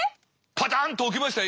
パタンと置きましたよ